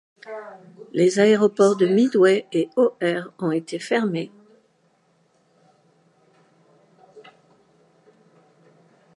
Les aéroports de Midway et O'Hare ont été fermés.